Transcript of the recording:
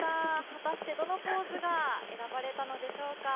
果たしてどのポーズが選ばれたんでしょうか。